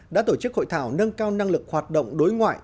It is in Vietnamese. đã tổ chức hội thảo nâng cao năng lực hoạt động đối ngoại